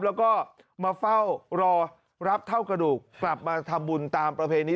แล้วก็มาเฝ้ารอรับเท่ากระดูกกลับมาทำบุญตามประเพณี